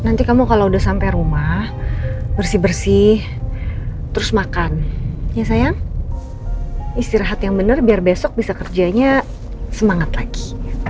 nanti kamu kalau udah sampai rumah bersih bersih terus makan ya sayang istirahat yang benar biar besok bisa kerjanya semangat lagi